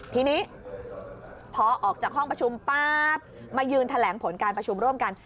ทีนี้พอออกจากห้องประชุมปั๊บมายืนแถลงผลการประชุมร่วมกัน